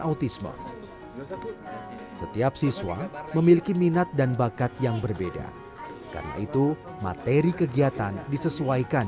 autisme setiap siswa memiliki minat dan bakat yang berbeda karena itu materi kegiatan disesuaikan